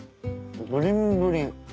ブリンブリン。